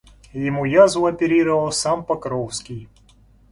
Ему язву оперировал сам Покровский.